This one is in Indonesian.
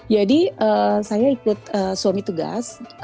jadi saya ikut suami tugas